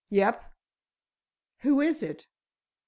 "Yep." "Who is it?"